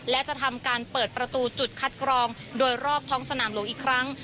และจะทำการเปิดประตูจุดคัดกรองโดยรอบท้องสนามหลวงอีกครั้ง